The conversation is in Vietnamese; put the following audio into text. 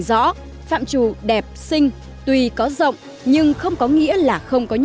đó là để giảm bớt sự nguyên tắc quy củ